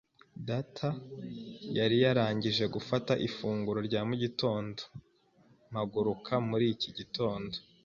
Data yari yarangije gufata ifunguro rya mu gitondo mpaguruka muri iki gitondo.